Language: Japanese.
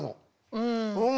うん。